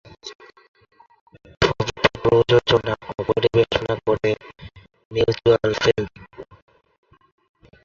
ছবিটি প্রযোজনা ও পরিবেশনা করে মিউচুয়াল ফিল্ম।